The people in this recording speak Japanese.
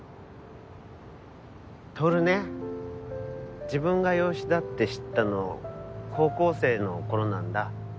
透ね自分が養子だって知ったの高校生のころなんだ。